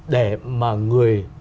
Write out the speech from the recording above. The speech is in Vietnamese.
để mà người